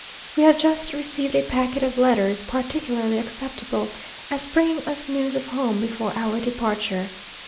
We have just received a packet of letters, particularly acceptable as bringing us news of home before our departure.